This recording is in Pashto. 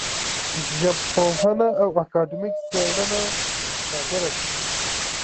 ژبپوهنه او اکاډمیک څېړنه نادره ده